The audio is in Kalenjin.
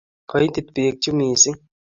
Koitit peek chu missing'